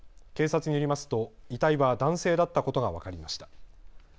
警察によりますと遺体は男性だったことが分かりました。